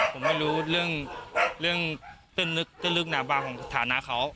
ผมไม่รู้เรื่องเรื่องต้นลึกหนับบ้างของฐานะเขา